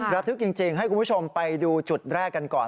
ระทึกจริงให้คุณผู้ชมไปดูจุดแรกกันก่อน